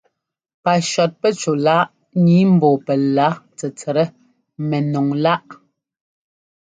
Pacɔtpɛcúláꞌ nǐi ḿbɔ́ɔ pɛla tsɛtsɛt mɛnɔŋláꞌ.